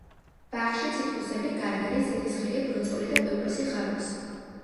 ბაღში ციტრუსები, გარგარი, ზეთისხილი, ბროწეული და კვიპროსი ხარობს.